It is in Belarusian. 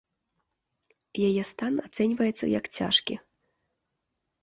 Яе стан ацэньваецца як цяжкі.